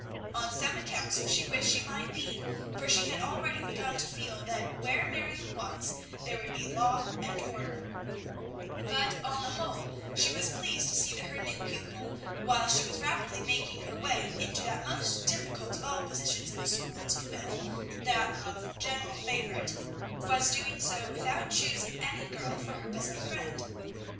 On some accounts she wished she might be, for she had already begun to feel that where Marion was, there would be law and order; but, on the whole, she was pleased to see that her new pupil, while she was rapidly making her way into that most difficult of all positions in a school to fill, that of general favorite, was doing so without choosing any girl for her bosom friend.